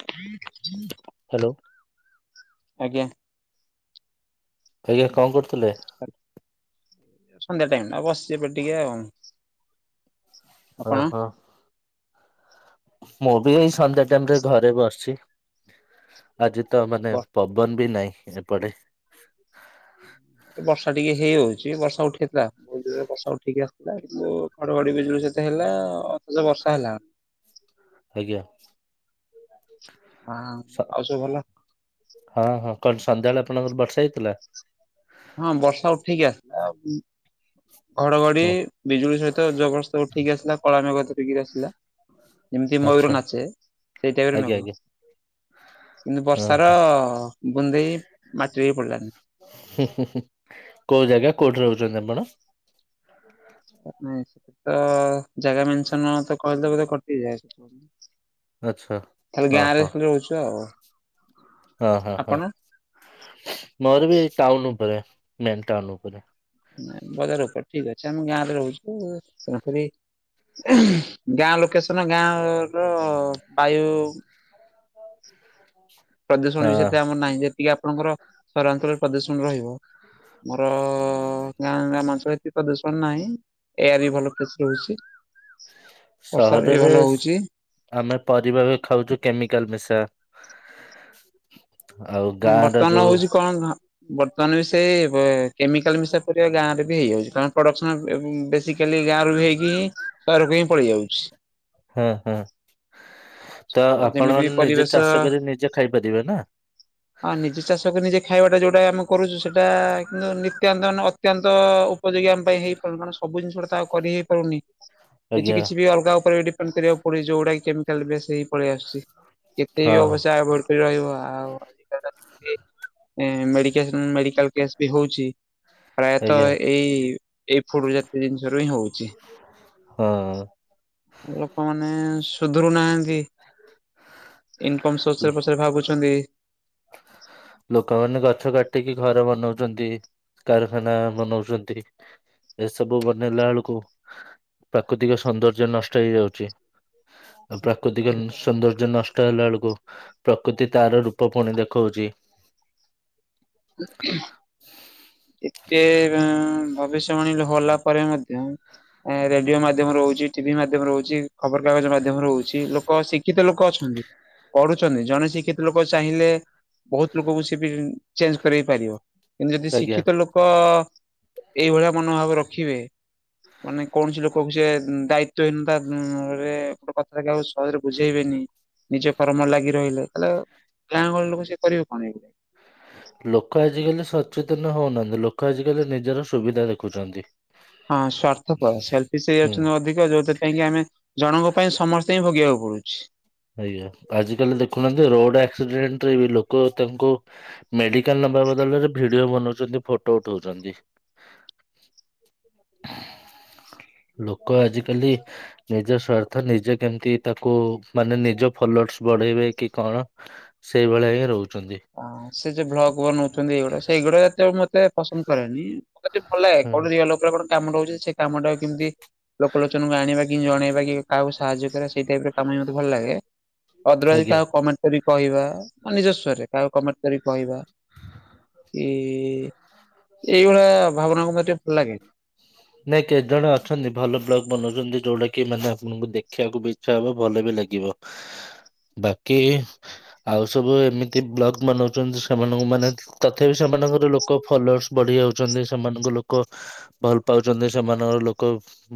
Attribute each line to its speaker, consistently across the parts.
Speaker 1: [inaudible]
Speaker 2: Hello.
Speaker 1: ଆଜ୍ଞା।
Speaker 2: ଆଜ୍ଞା କଣ କରୁଥିଲେ?
Speaker 1: ସନ୍ଧ୍ୟା ଟାଇମ ଟା ବସିଛି ଏବେ ଟିକେ ଆଉ।
Speaker 2: ଓ
Speaker 1: ଆପଣ?
Speaker 2: ହୋ। ମୁଁ ବି ଏଇ ସନ୍ଧ୍ୟା ଟାଇମ ରେ ଘରେ ବସିଚି। ଆଜି ତ ମାନେ ପବନ ବି ନାହିଁ ଏପଟେ।
Speaker 1: ବର୍ଷା ଟିକେ ହେଇ ଓଉଛି ବର୍ଷା ଉଠେଇଥିଲା। ଜୋରେ ବର୍ଷା ଉଠେଇକି ଆସିଥିଲା କିନ୍ତୁ ଘଡଘଡ଼ି ବିଜୁଳି ସେତେ ହେଲା ଅଥଚ ବର୍ଷା ହେଲା।
Speaker 2: ଆଜ୍ଞା।
Speaker 1: ହଁ
Speaker 2: ସ
Speaker 1: ଆଉ ସବୁ ଭଲ?
Speaker 2: ହଁ ହଁ କଣ ସନ୍ଧ୍ୟାବେଳେ ଆପଣଙ୍କର ବର୍ଷା ହେଇଥିଲା?
Speaker 1: ହଁ ବର୍ଷା ଉଠେଇକି ଆସିଲା ଉଁ। ଘଡ଼ଘଡ଼ି
Speaker 2: ହଁ
Speaker 1: ବିଜୁଳି ସହିତ ଜବରସ୍ତ ଉଠିକ ଆସିଥିଲା କଳା ମେଘ ଧରିକିରି ଆସିଥିଲା। ଯେମିତି ମୟୂର
Speaker 2: ଆଚ୍ଛା
Speaker 1: ନାଚେ ସେଇ ଟାଇପ ର
Speaker 2: ଆଜ୍ଞା
Speaker 1: ମଘ।
Speaker 2: ଆଜ୍ଞା
Speaker 1: କିନ୍ତୁ ବର୍ଷାର
Speaker 2: ହଁ
Speaker 1: ବୁନ୍ଦେ ବି ମାଟିରେ ବି ପଡ଼ିଲାଣି।
Speaker 2: ହୁଁ ହୁଁ ହୁଁ କୋଉ ଜାଗା କୋଉଠି ରହୁଛନ୍ତି ଆପଣ?
Speaker 1: ନାଇଁ ସେ ତ ଜାଗା ମେନ୍ସନ ତ କହିଲେ ବୋଧ କଟିଯାଏ। [inaudible]
Speaker 2: ଆଚ୍ଛା
Speaker 1: ଥାବି
Speaker 2: ହଁ
Speaker 1: ଗାଁରେ
Speaker 2: ହଁ
Speaker 1: [unintelligible] ରହୁଚୁ ଆଉ।
Speaker 2: ହଁ ହଁ ହଁ
Speaker 1: ଆପଣ?
Speaker 2: ମୋର ବି ଏଇ ଟାଉନ ଉପରେ ମେନ୍ ଟାଉନ ଉପରେ।
Speaker 1: ମେନ୍ ବଜାର ଉପରେ ଠିକ ଅଛି ଆମେ ଗାଁ ରେ ରହୁଛୁ ତେଣୁ କରି ଗାଁ ଲୋକେସନ ଗାଁର ବାୟୋ ପ୍ରଦୂଷଣ ବି
Speaker 2: ହଁ
Speaker 1: ସେତେ ଆମର ନାହିଁ ଯେତିକି ଆପଣଙ୍କର ସହରାଞ୍ଚଳରେ ପ୍ରଦୂଷଣ ରହିବ। ମୋର ଗାଁ ରେ ଆମର ଏତେ ପ୍ରଦୂଷଣ ନାହିଁ। ଏୟାର ବି ଭଲ ଫ୍ରେସ୍ ରହୁଛି। ବର୍ଷା ବି ଭଲ
Speaker 2: ସହରରେ
Speaker 1: ହଉଛି
Speaker 2: ଆମେ ପରିବା ବି ଖାଉଛୁ କେମିକାଲ ମିଶା। ଆଉ
Speaker 1: ନାଇଁ
Speaker 2: ଗାଁ ର
Speaker 1: ବର୍ତ୍ତମାନ
Speaker 2: ଯୋଉ
Speaker 1: ହୋଉଛି କଣ ବର୍ତ୍ତମାନ ବି ସେଇ ବେ କେମିକାଲ ମିଶା ପରିବା ଗାଁରେ ବି ହେଇଯାଉଛି। କାରଣ ପ୍ରଡକ୍ସନ [unintelligible] ବେଶୀ କାଲି ଗାଁରୁ ବି ହେଇକି ସହରକୁ ହିଁ ପଳେଇ ଯାଉଛି।
Speaker 2: ହଁ ହଁ ତ ଆପଣ
Speaker 1: ଯେମିତି ବି
Speaker 2: ମାନେ ନିଜେ
Speaker 1: ପରିବେଶ
Speaker 2: ଚାଷ କରି ନିଜେ ଖାଇପାରିବେ ନା?
Speaker 1: ହଁ ନିଜେ ଚାଷକୁ ନିଜେ ଖାଇବାଟା ଯୋଉଟା ଆମେ କରୁଛୁ ସେଇଟା କିନ୍ତୁ ନିତ୍ୟାନ୍ତ ମାନେ ଅ ତ୍ୟନ୍ତ ଉପଯୋଗୀ ଆମ ପାଇଁ ହେଇପାରୁନୁ। କାରଣ ସବୁ ଜିନିଷ ଉଡ଼ା ତ ଆଉ କରି ହେଇ ପାରୁନି। କିଛି
Speaker 2: ଆଜ୍ଞା
Speaker 1: କିଛି ବି ଅଲଗା ଉପରେ ବି ଡିପେଣ୍ଡ କରିବାକୁ ପଡ଼ୁଛି। ଯୋଉଡ଼ା କି କେମିକାଲ ବେଶୀ ପଳେଇ ଆସୁଛି। କେତେ
Speaker 2: ହଁ
Speaker 1: ବି ଅବଶ୍ୟ ଅଭଏଡ୍ କରି ରହିବ। ଆଉ ଆଜି କାର ଯେମିତି ମେଡିକେସ୍ ମେକିକାଲ କେସ୍ ବି ହୋଉଛି। ପ୍ରାୟତଃ
Speaker 2: ଆଜ୍ଞା
Speaker 1: ଏଇ ଏଇ ଫୁଡ୍ ଜାତୀୟ ଜିନିଷ ରୁ ହିଁ ହଉଛି।
Speaker 2: ହଁ।
Speaker 1: ଲୋକମାନେ ସୁଧରୁ ନାହାନ୍ତି। ଇନ୍କମ ସୋର୍ସ
Speaker 2: ଲ
Speaker 1: ରେ ପଛରେ ଭାବୁଛନ୍ତି।
Speaker 2: ଲୋକମାନେ ଗଛ କାଟିକି ଘର ବନଉଛନ୍ତି କାରଖାନା ବନଉଛନ୍ତି। ଏସବୁ ବନେଇଲା ବେଳକୁ ପ୍ରାକୃତିକ ସୌନ୍ଦର୍ଯ୍ୟ ନଷ୍ଟ ହେଇଯାଉଛି। ଆଉ ପ୍ରାକୃତିକ
Speaker 1: ସତ କଥା
Speaker 2: ସୌନ୍ଦର୍ଯ୍ୟ ନଷ୍ଟ ହେଲା ବେଳକୁ ପ୍ରକୃତି ତାର ରୂପ ପୁଣି ଦେଖଉଛି।
Speaker 1: [inaudible] ଏତେ ଭବିଷ୍ୟବାଣୀ ହେଲା ପରେ ମଧ୍ୟ ଏ ରେଡିଓ ମାଧ୍ୟମରେ ହଉଛି। ଟିଭି ମାଧ୍ୟମରେ ହଉଛି। ଖବର କାଗଜ ମାଧ୍ୟମରେ ହଉଛି। ଲୋକ ଶିକ୍ଷିତ ଲୋକ ଅଛନ୍ତି। କରୁଛନ୍ତି ଜଣେ ଶିକ୍ଷିତ ଲୋକ ଚାହିଁଲେ ବୋହୁତ ଲୋକଙ୍କୁ ସେବି ଚେଞ୍ଜ କରାଇ ପାରିବ। କିନ୍ତୁ ଯଦି ଶି
Speaker 2: ଆଜ୍ଞା।
Speaker 1: ଶିକ୍ଷିତ ଲୋକ ଏଇଭଳିଆ ମନୋଭାବ ରଖିବେ ମାନେ କୌଣସି ଲୋକ ସେ ଦାୟିତ୍ଵ ହୀନତା ରେ ଗୋଟେ କଥାଟା କାହାକୁ ସହଜରେ ବୁଝେଇବେନି। ନିଜ କର୍ମରେ ଲାଗି ରହିଲେ ତାହେଲେ ଗାଁ ଗହଳି ଲୋକ ସେ କରିବେ କଣ ଏ
Speaker 2: ଲୋକ ଆଜିକାଲି ସଚେତନ ହଉନାହାନ୍ତି। ଲୋକ ଆଜିକାଲି ନିଜର ସୁବିଧା ଦେଖୁଛନ୍ତି।
Speaker 1: ହଁ ସ୍ୱାର୍ଥପର ସେଲଫିସ୍ ହେଇ
Speaker 2: ହୁଁ।
Speaker 1: ଯାଉଛନ୍ତି ଅଧିକ ଯୋଉଥିପାଇଁ କି ଆମେ ଜଣଙ୍କ ପାଇଁ ସମସ୍ତେ ହିଁ ଭୋଗିବାକୁ ପଡୁଛି।
Speaker 2: ଆଜ୍ଞା। ଆଜି କାଲି ଦେଖୁନାହାନ୍ତି ରୋଡ ଆକ୍ସିଡେଣ୍ଟ ରେ ବି ଲୋକ ତାଙ୍କୁ ମେଡିକାଲ ନବା ବଦଳରେ ଭିଡିଓ ବନଉଛନ୍ତି ଫଟୋ ଉଠଉଛନ୍ତି। [inaudible] ଲୋକ ଆଜିକାଲି ନିଜ ସ୍ୱାର୍ଥ ନିଜେ କେମ୍ତି ତାକୁ ମାନେ ନିଜ ଫଲୋର୍ସ ବଢେଇବେ କି କଣ ସେଇଭଳିଆ ହିଁ ରହୁଚନ୍ତି।
Speaker 1: ହଁ ସେ ଯୋଉ ବ୍ଲଗ୍ ବନଉଚନ୍ତି ଏଗୁଡା ସେଗୁଡା ଏତେ ମତେ ପସନ୍ଦ୍ ପାଏନି। ମୋତେ ଭଲ ଲାଗେ
Speaker 2: ହୁଁ
Speaker 1: [unintelligible] ଆ ଲୋକର କଣ କାମଟା ହଉଛି। ସେ କାମ ଟାକୁ କେମିତି ଲୋକ ଲୋଚନକୁ ଆଣିବା କି ଜଣେଇବା କି କାହାକୁ ସାହାଯ୍ୟ କରିବା ସେଇ ଟାଇପ କାମ ମତେ ଭଲ ଲାଗେ। ଅଦ୍ରୱାଇଜ୍
Speaker 2: ଆଜ୍ଞା।
Speaker 1: କାହାକୁ କମେଣ୍ଟ କରି କହିବା ନିଜସ୍ଵରେ କାହାକୁ କମେଣ୍ଟ କରି କହିବା। କି ଏଇଭଳିଆ ଭାବନା କୁ ମତେ ଭଲ ଲାଗେନି।
Speaker 2: ନାଇଁ କେତେ ଜଣେ ଅଛନ୍ତି ଭଲ ବ୍ଲଗ ବନଉଛନ୍ତି। ଯୋଉଟା କି ମାନେ ଆପଣଙ୍କୁ ଦେଖିବାକୁ ବି ଇଚ୍ଛା ହବ ଭଲ ବି ଲାଗିବ। ବାକି ଆଉ ସବୁ ଏମିତି ବ୍ଲକ ମନଉଛନ୍ତି ସେମାନଙ୍କୁ ମାନେ ତଥାପି ସେମାନଙ୍କର ଲୋକ ଫଲୋର୍ସ ବଢି ଯାଉଛନ୍ତି। ସେମାନଙ୍କ ଲୋକ ଭଲ ପାଉଛନ୍ତି ସେମାନଙ୍କର ଲୋକ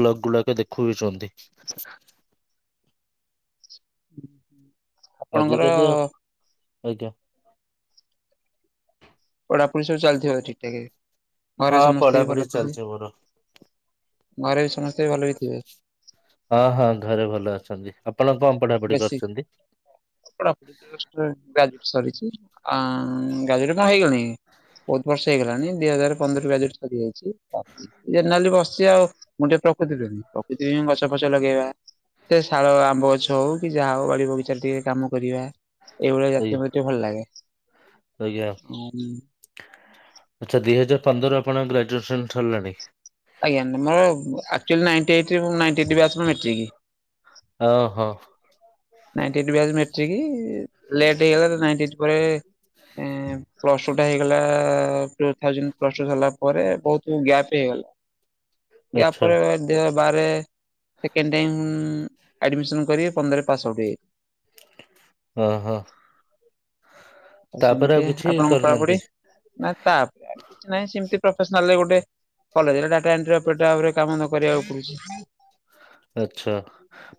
Speaker 2: ବ୍ଲକ ଗୁଡାକ ଦେଖୁବିଛନ୍ତି।
Speaker 1: ଆପଣଙ୍କର
Speaker 2: ଆଜିକାଲି ଆଉ ଆଜ୍ଞା।
Speaker 1: ପଢାପଢୀ ସବୁ ଚାଲିଥିବ ଠିକ୍ ଠାକେ। ଘରେ
Speaker 2: ହଁ
Speaker 1: ସମସ୍ତେ ବି
Speaker 2: ପଢାପଢି
Speaker 1: ଭଲ ଥିବେ
Speaker 2: ଚାଲିଛି ମୋର।
Speaker 1: ଘରେ ସମସ୍ତେ ଭଲ ବି ଥିବେ।
Speaker 2: ହଁ ହଁ ଘରେ ଭଲ ଅଛନ୍ତି ଆପଣ କଁ ପଢାପଢି କରିଛନ୍ତି?
Speaker 1: [unintelligible] ଈ ବୋହୁତ୍ ବର୍ଷ ହେଇଗଲାଣି ଦି ହଜାର ପନ୍ଦର ବ୍ୟାଚେ ରୂ ସରିଯାଇଚି‌। ଜେନାଲି ବସିଛି ଆଉ ମୁଁ ଟିକେ ପ୍ରକୃତି ପ୍ରେମୀ ପ୍ରକୃତି ହିଁ ଗଛ ଫଛ ଲଗେଇବା। ସେ ଶାଳ ଆମ୍ବ ଗ ହଉ କି ଯାହା ହଉ ବାଡି ବଗିଚାରେ ଟିକେ କାମ କରିବା ଏଇଭଳିଆ
Speaker 2: ଏଇ
Speaker 1: ଜାତି ମ ଟେ ଭଲ୍ ଲାଗେ। [inaudible]
Speaker 2: ଆଛା ଦି ହଜାର୍ ପନ୍ଦର ଆପଣ ଗ୍ରାଜୁଏସନ୍ ସର୍ଲାଣି?
Speaker 1: ଆଜ୍ଞା ମୁଁ ଆକଚାଲି ନାଇନ୍ଟି ଏଈଟ୍ ରେ ମୁଁ ନାଈନ୍ଟି ଏଠି ବ୍ୟଚ୍ ର ମେଟ୍ରିକ୍।
Speaker 2: ଅ ହୋ।
Speaker 1: ନାଇନ୍ଟି ଏଈଟ୍ ବ୍ଯାଚ ମେଟ୍ରିକି ଲେଟ୍ ହେଇଗଲା ତ ନାଇନ୍ଟି ପରେ ଏ ପ୍ଲସ୍ ଟୁ ଟା ହେଇଗଲା ଟୁଥାଉଜେଣ୍ଡ୍ ପ୍ଲସ ଟୁ ସଲା ପରେ ବହୁତୁ ଗ୍ୟାଫ୍ ହେଇଗଲା। ୟା
Speaker 2: ଆଚ୍ଛା
Speaker 1: ପରେ ଦେଅ ବାରେ ସେକେଣ୍ଡ୍ ଟାଇମ୍ ଆଡ୍ମିସନ୍ କରିବେ। ପନ୍ଦରେ ପାସ ଆଉଟ୍ ହେଇ
Speaker 2: ଅହ। ଆଉ
Speaker 1: ସେମ୍ତିଆ
Speaker 2: କିଛି
Speaker 1: ଆପଣଙ୍କ
Speaker 2: କରିନାହାନ୍ତି
Speaker 1: ପଢ଼ା ପାଢ଼ୀ ଆ ତା ନାଇ ଶେମ୍ତି ପ୍ରଫେସ୍ନାଲି ଗୋଟେ କଲେଜେରେ ଡାଟା ଏଣ୍ଟ୍ରି ଅପରେଟ ଭାବରେ କାମ ନ କରିବାକୁ ପଡୁଛି।
Speaker 2: ଆଛା।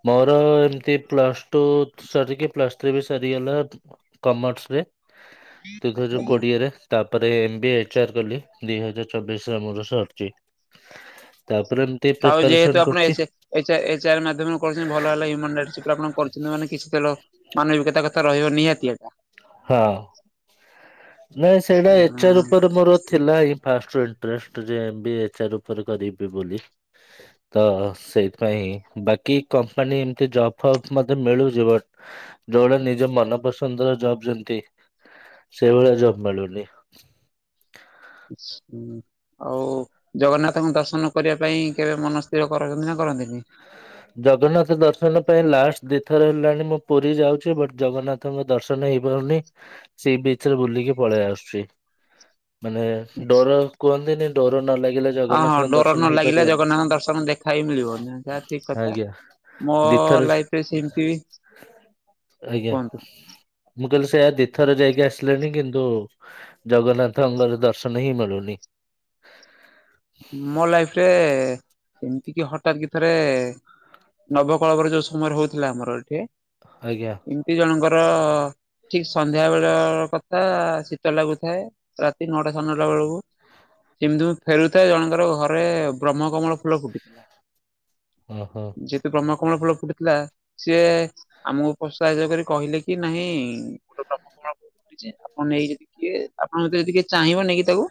Speaker 2: ମୋର ଏମିତି ପ୍ଲସ୍ଟୁ ସରିକି ପ୍ଲସ୍ଥ୍ରୀ ବି ସରିଗଲା। କମର୍ସ ରେ [unintelligible]
Speaker 1: ଆଜ୍ଞା।
Speaker 2: କୋଡିଏ ରେ। ତାପରେ ଏମ ବି ଏଚ୍ ଆର୍ କଲି ଦିଇ ହଜାର୍ ଚବିଶ ଆମର ସାରିଛି। ତାପରେ
Speaker 1: ଆଉ
Speaker 2: ପ୍ରିପାରେସନ
Speaker 1: ଯେହେତୁ ଆପଣ
Speaker 2: କରୁଛି
Speaker 1: ଏସେ ଏଚ୍ ଅ ଏଚ୍ ଆର୍ ମାଧ୍ୟମରେ କର୍ଚନ୍ତି ଭଲ ହେଲା ଇଉମନ୍‌ ବେଡ୍ ସିପ୍ ରେ ଆପଣ କରୁଚନ୍ତି ମାନ କିଛି ତେ ଲ ମାନବିକତା କଥା ରହିବ ନିହାତି ଆ
Speaker 2: ହଁ ନାଇଁ ସେଇଟା ଏଚ୍ ଆର୍
Speaker 1: ଏଟା।
Speaker 2: ରୂପରେ ମୋର ଥିଲା ହିଁ। ଫାଷ୍ଟ୍ ରୁ ଇଣ୍ଟ୍ରେଷ୍ଟ୍ ଯେ ଏମ୍ ବିଏ ଏଚ୍ ଆର୍ ଉପରେ କରିବି ବୋଲି। ତ ସେଇଥିପାଇଁ ବାକି କମ୍ପାନୀ ଏମ୍ତି ଜବ୍ ଫବ୍ ମ ମିଳୁଛି ବଟ୍ ଯୋଉଭଳିଆ ନିଜ ମନ ପସନ୍ଦର ଜବ୍ ଯେମତି ସେଇଭଳିଆ ଜବ୍ ମିଳୁନି।
Speaker 1: [inaudible] ଆଉ ଜଗନ୍ନାଥଙ୍କୁ ଦର୍ଶନ କରିବା ପାଇଁ, କେବେ ମନ ସ୍ଥିର କରଛନ୍ତି ନା କରନ୍ତିନି?
Speaker 2: ଜଗନ୍ନାଥ ଦର୍ଶନ ପାଇଁ ଲାଷ୍ଟ ଦୁଇଥର ହେଲାଣି ମୁଁ ପୁରୀ ଯାଉଛି ବଟ୍ ଜଗନ୍ନା ତ ଙ୍କୁ ଦର୍ଶନ ହେଇପାରୁନି ସୀବିଚ୍ ରେ ବୁଲିକି ପଳେଇ ଆସୁଚି। ମାନେ ଡୋର କୁହନ୍ତିନି ଡୋର ନ ଲାଗିଲେ
Speaker 1: ହଁ ହଁ
Speaker 2: ଜଗନ୍ନାଥଙ୍କ
Speaker 1: ଡୋର
Speaker 2: ଦର୍ଶନ
Speaker 1: ନ ଲାଗିଲ
Speaker 2: ହେଇପାରିବନି।
Speaker 1: ଜଗନାଥ ଦର୍ଶନ ଦେଖା ହି ମିିଳିବନି ଠିକ
Speaker 2: ଆଜ୍ଞା
Speaker 1: ମୋ
Speaker 2: ଦିଥର
Speaker 1: ଲାଇଫ ରେ ସେମିତି ହେଇଛି
Speaker 2: ଆଜ୍ଞା
Speaker 1: କୁହନ୍ତୁ।
Speaker 2: ମୁଁ କଇଲି ସେୟା, ଦିଇଥର ଯାଇକି ଆସିଲେଣି କିନ୍ତୁ ଜଗନ୍ନାଥ ଙ୍ଗର ଦର୍ଶନ ହିଁ ମିଳୁନି।
Speaker 1: ମୋ ଲାଇଫ୍ ରେ ଏମ୍ତିକି ହଠାତ୍ କି ଥରେ ନବକଳବର ଯୋଉ ସମୟ ହଉଥିଲା ଆମର ଏଠି
Speaker 2: ଆଜ୍ଞା।
Speaker 1: ଏମ୍ତି ଜଣଙ୍କର ଠିକ୍ ସନ୍ଧ୍ୟା ବେଳ କଥା ଶୀତ ଲାଗୁଥାଏ, ରାତି ନଅଟା, ସାଡେ ନଅଟା ବେଳକୁ। ସେମିତି ମୁ ଫେରୁଥାଏ ଜଣଙ୍କର ଘରେ ବ୍ରହ୍ମ କମଳ ଫୁଲ ଫୁଟିଥିଲା।
Speaker 2: ଓହୋ।
Speaker 1: ଯେହେତୁ ବ୍ରହ୍କକୁମଳ ଫୁଲ ଫୁଟିଥିଲା ସିଏ ଆମକୁ ପ୍ରୋତ୍ସାହିତ କରି କହିଲେ କି ନାଇଁ ଗୋଟେ ପ୍ର୍ମକୁମ ଆପଣ ନେଇକି ଯଦି କିଏ ଆପଣଙ୍କ ଯଦି କିଏ ଚାହିଁ ନେଇକି ତାକୁ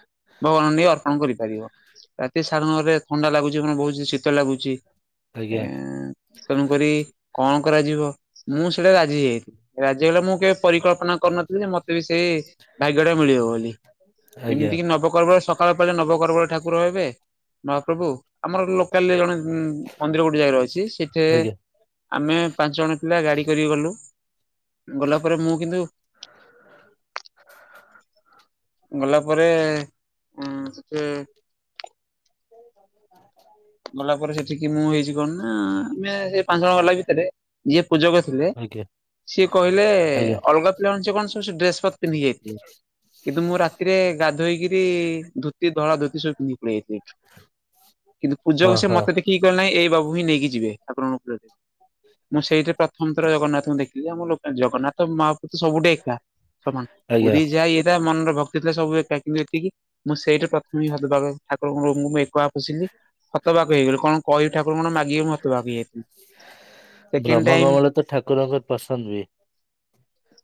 Speaker 1: ଭଗବାନଙ୍କୁ ନେଇକ ଅର୍ପଣ କରିପାରିବ। ରାତି ସାରା ନରେ ଥଣ୍ଡା ଲାଗୁଛି ମ ବହୁତ ଶୀତ ଲାଗୁଛି
Speaker 2: ଆଜ୍ଞା
Speaker 1: ଏ ତେଣୁକରି କଣ କରାଯିବ, ମୁଁ ସେଇଟା ରାଜି ଯାଇଥିଲି ରାଜି ହେଗଲା ମୁଁ କେ ପରିକଳ୍ପନା କରୁନଥିଲଥିଲେ ଯେ ମତେ ବି ସେ ଭାଗ୍ୟ ଟା ମିଳିବ ବୋଲି
Speaker 2: ଆଜ୍ଞା
Speaker 1: ଏମିତି କି ନବକଳେବର ସକାଳ ପା ନବକରବଳେ ଠାକୁର ହେବେ ମହାପ୍ରଭୁ। ଆମର ଲୋକାଲ ଜଣେ ମନ୍ଦିର ଗୋଟେ ଜାଗାରେ ର ଅଛି ସେଇଠି
Speaker 2: ଆଜ୍ଞା।
Speaker 1: ଆମେ ପାଞ୍ଚ ଜଣ ପିଲା ଗାଡି କରିକି ଗଲୁ ଗଲା ପରେ ମୁଁ କିନ୍ତୁ ଗଲା ପରେ ଉ ସେ
Speaker 2: ହ।
Speaker 1: ଗଲା ପରେ ସେଠିକି ମୁଁ ହେଇଛି କଣ ନା ଆମେ ସେ ପାଞ୍ଚ ଜଣ ଗଲା ଭିତରେ। ଯିଏ ପୂଜକ ଥିଲେ
Speaker 2: ଆଜ୍ଞା
Speaker 1: ସିଏ କହିଲେ
Speaker 2: ଆଜ୍ଞା
Speaker 1: ଅଲଗା ଲଞ୍ଚ କଣ ସବୁ ଡ୍ରେସ୍ ପତ ପିନ୍ଧି ଯାଇଥିଲେ। କିନ୍ତୁ ମୁଁ ରାତିରେ ଗାଧୋଇକିରି ଧୋତି ଧଳା ଧୋତି ସବୁ ପିନ୍ଧି ପଳେଇଆଇଥିଲୀ।
Speaker 2: ହଁ
Speaker 1: ପୂଜକ ସେ
Speaker 2: ହଁ
Speaker 1: ମତେ ଦେଖିକି କଲେ ନାଇଁ ଏଇ ବାବୁ ହିଁ ନେଇକି ଯିବେ ଠାକୁର ଙ୍କ ଫୁଲ ଦେ। ମୁଁ ସେଇଠି ପ୍ରଥମଥର ଜଗନ୍ନାଥଙ୍କୁ ଦେଖିଲି ଯେ ଆମ ଜଗନ୍ନାଥ ମହାପ୍ରଭୁ ସବୁଠୀ ଏକା। ସମାନ
Speaker 2: ଆଜ୍ଞା
Speaker 1: ପୁରୀ ଯାଆ ଇଏ ଟା ମନର ଭକ୍ତି ଥିଲା ସବୁ ଏକା କିନ୍ତୁ ଏତିକି ମୁଁ ସେଇଠି ପ୍ରଥମେ ହ ହତବାଘ ଠାକୁରଙ୍କ ମୁଁ ଏକଆ ପଶିଲି ହତବାଗ ହେଇଗଲି କଣ କହିବି ଠାକୁର କଣ ମାଗିବି ମତ ଭାବିକି ଯାଇଥିଲି।
Speaker 2: ବ୍ରହ୍ମକମଳ ତ ଠାକୁରଙ୍କର ପସନ୍ଦ ବି।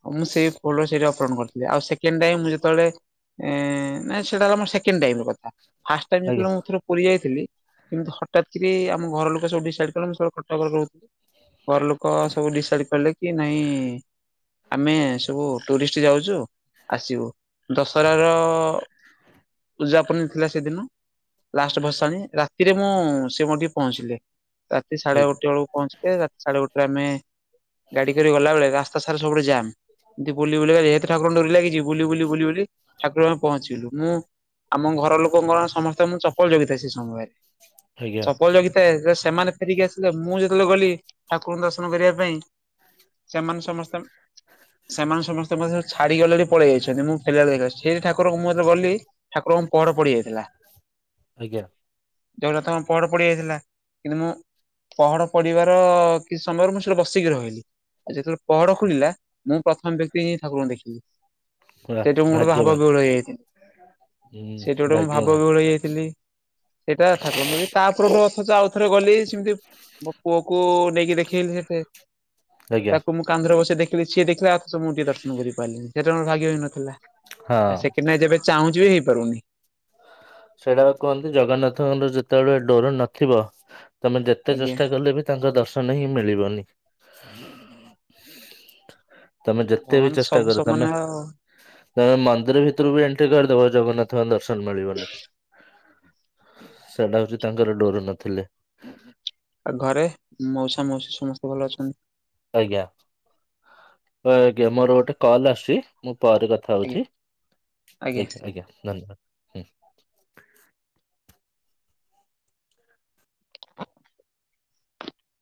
Speaker 1: ଉ ମୁଁ ସେ ଅପରଣ କରିଥିଲେ ଆଉ ସେକେଣ୍ଡ ଟାଇମ୍ ମୁଁ ଯେତେବେଳେ ନାଇ ସେଟା ହେଲା ମୋ ସେକଣ୍ଡ ଟାଇମ କଥା। ଫାଷ୍ଟ ଟାଇମ
Speaker 2: ଆଜ୍ଞା
Speaker 1: ଯେତେବେଳେ ମୁଁ ଥର ପୁରୀ ଯାଇଥିଲି। କେମିତି ହଠାତ୍ କିରି ଆମ ଘର ଲୋକ ସବୁ ଡିସାଇଡ କଲେ ମୁଁ ସବୁବେଳେ କଟକ ରେ ରହୁଥିଲି। ଘର ଲୋକ ସବୁ ଡିଶାଇଡ କଲେ କି ନାଇଁ ଆମେ ସବୁ ଟୁରିଷ୍ଟ ଯାଉଛୁ ଆସିବୁ ଦଶରା ର ଉଦଯାପନୀ ଥିଲା ସେଦିନ ଲାଷ୍ଟ ଭସାଣି ରା ରାତିରେ ମୁଁ ସେ ମୋର ଟିକେ ପହଞ୍ଚିଲେ ରାତି ସାଢେ
Speaker 2: ଆଜ୍ଞା
Speaker 1: ଗୋଟେ ବେଳକୁ ପହଞ୍ଚିଲେ ରାତି ସାଢେ ଗୋଟେରେ ଆମେ ଗାଡି କରି ଗଲା ବେଳେ ରାସ୍ତା ସାରା ସବୁଟି ଜାମ୍ ଏମତି ବୁଲି ବୁଲିକା [unintelligible] ଠାକୁର ଙ୍କ ଡୋରି ଲାଗିଚି ବୁଲି ବୁଲି ବୁଲି ବୁଲି ଠାକୁର ପହଞ୍ଚିଗଲୁ ମୁଁ ଆମ ଘର ଲୋକଙ୍କର ସମସ୍ତେ ମୁ ଚପଲ ଜଗିଥାଏ ସେ ସମୟରେ।
Speaker 2: ଆଜ୍ଞା
Speaker 1: ଚପଲ ଜଗିଥାଏ ଯେ ସେମାନେ ଫେରିକି ଆସିଲେ ମୁଁ ଯେତେବେଳେ ଗଲି ଠାକୁରଙ୍କ ଦର୍ଶନ କରିବା ପାଇଁ। ସେମାନେ ସମସ୍ତେ
Speaker 2: [inaudible]
Speaker 1: ସେମାନେ ସମସ୍ତେ ମତେ ଛାଡିକି ଅଲେଡି ପଳେଇ ଯାଇଛନ୍ତି ମୁଁ ଫେଲା ବେଳେ ଦେଖଲାଳୁ ସେଇଠାରଙ୍କୁ ମୁଁ ଯେତେବେଳେ ଗଲି ଠାକୁରଙ୍କୁ ପହଡ ପଡିି ଯାଇଥିଲା।
Speaker 2: ଆଜ୍ଞା।
Speaker 1: ଜଗନ୍ନାଥଙ୍କ ପହଡ ପଡି ଯାଇଥିଲା କିନ୍ତୁ ମୁଁ ପହଡ ପଡିବାର କିଛି ସମୟରେ ମୁଁ ସେଟି ବସିକି ରହିଲି। ଆଉ ଯେତେବେଳେ ପହଡ ଖୋଲିଲା ମୁଁ ପ୍ରଥମ ବ୍ୟକ୍ତି ହିଁ ଠାକୁରଙ୍କୁ ଦେଖିଲି।
Speaker 2: ପୁରା
Speaker 1: ସେଠି ମୁଁ ଗୋଟେ ଭାବ
Speaker 2: ଭାଗ୍ୟବାନ
Speaker 1: ବିହଳ ହେଇ ଯାଇଥିଲି
Speaker 2: ହୁଁ
Speaker 1: ସେଠି ଗୋଟେ ମୁଁ ଭାବ
Speaker 2: ଭାଗ୍ୟବାନ
Speaker 1: ବିହଳ ହେଇ ଯାଇଥିଲି। ସେଇଟା ଠାକୁରଙ୍କ ଡୋରୀ ତାପରଠୁ ଅଥଚ ଆଉ ଥରେ ଗଲି ସେମିତି ମୋ ପୁଅ କୁ ନେଇକି ଦେଖେଇଲି ସେତେ
Speaker 2: ଆଜ୍ଞା
Speaker 1: ତାକୁ ମୁଁ କାନ୍ଧରେ ବସେଇ ଦେଖିଲି ସିଏ ଦେଖିଲା ଅଥଚ ମୁଁ ଟିକେ ଦର୍ଶନ କରିପାରିଲିନି ସେଟା ମୋର ଭାଗ୍ୟ ହିଁ ନଥିଲା।
Speaker 2: ହଁ
Speaker 1: ଆଉ ସେକେଣ୍ଡ୍ ନାଇଁ ଯେବେ ଚାହୁଁଛି ବି ହେଇପାରୁନି।
Speaker 2: ସେଇଟା କୁହନ୍ତି ଜଗନ୍ନାଥଙ୍କର ଯେତେବେଳେ ଡୋର ନଥିବ ତମେ ଯେତେ
Speaker 1: ଆଜ୍ଞା।
Speaker 2: ଚେଷ୍ଟା କଲେ ବି ତାଙ୍କ ଦର୍ଶନ ହିଁ ମିଳିବନି। ତେ ଯେତେ ବି
Speaker 1: ଭଗବାନ
Speaker 2: ଚେଷ୍ଟା
Speaker 1: ସବୁ
Speaker 2: କର ତମେ
Speaker 1: ସମାନ ଆଉ
Speaker 2: ତମେ ମନ୍ଦିର ଭିତରୁ ବି ଏଣ୍ଟ୍ରି କରିଦେବ ଜଗନ୍ନାଥଙ୍କ ଦର୍ଶନ ମିଳିବନି। ସେଇଟା ହଉଛି ତାଙ୍କର ଡୋର ନଥିଲେ। [inaudible]
Speaker 1: ଆଉ ଘରେ ମଉସା ମାଉସୀ ସମସ୍ତେ ଭଲ ଅଛନ୍ତି?
Speaker 2: ଆଜ୍ଞା, ଆଜ୍ଞା ମୋର ଗୋଟେ କଲ ଆସଛି ମୁଁ ପରେ କଥା କଥା ହଉଛି
Speaker 1: ଆଜ୍ଞା
Speaker 2: ଆଜ୍ଞା, ଆଜ୍ଞା ଧନ୍ୟବାଦ।